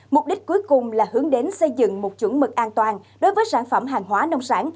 mục đích cuối cùng là hướng đến xây dựng một chuẩn mực an toàn đối với sản phẩm hàng hóa nông sản